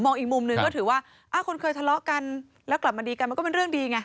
อีกมุมหนึ่งก็ถือว่าคนเคยทะเลาะกันแล้วกลับมาดีกันมันก็เป็นเรื่องดีไง